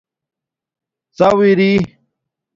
ڎݸ اری